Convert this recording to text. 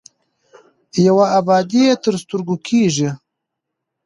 یوه ابادي یې تر سترګو کېږي.